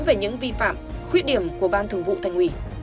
về những vi phạm khuyết điểm của ban thường vụ thành ủy